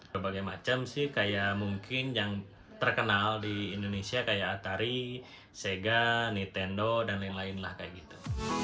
berbagai macam sih kayak mungkin yang terkenal di indonesia kayak atari sega nintendo dan lain lain lah kayak gitu